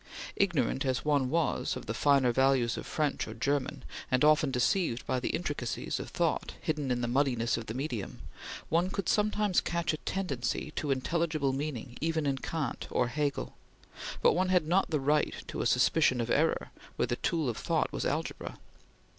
Ignorant as one was of the finer values of French or German, and often deceived by the intricacies of thought hidden in the muddiness of the medium, one could sometimes catch a tendency to intelligible meaning even in Kant or Hegel; but one had not the right to a suspicion of error where the tool of thought was algebra.